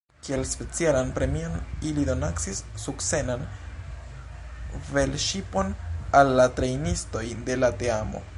Kiel specialan premion ili donacis sukcenan velŝipon al la trejnistoj de la teamo.